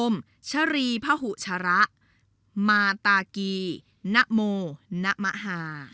อมชิริภาหุฆระมาตากีณโมณะมหา